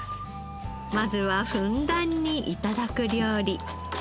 まずはふんだんに頂く料理。